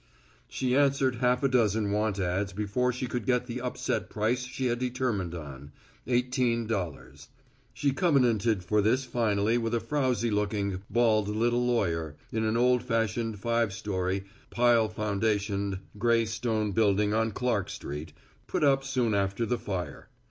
She answered half a dozen want ads before she could get the upset price she had determined on eighteen dollars. She covenanted for this finally with a frowsy looking, bald little lawyer, in an old fashioned five story, pile foundationed, gray stone building on Clark street, put up soon after the fire.